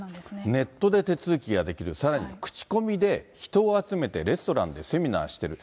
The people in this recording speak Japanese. ネットで手続きができる、さらに口コミで人を集めてレストランでセミナーしてる。